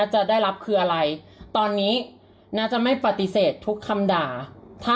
แอรี่แอรี่แอรี่แอรี่แอรี่แอรี่แอรี่